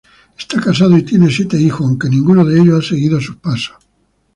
Está casado y tiene siete hijos aunque ninguno de ellos ha seguido sus pasos.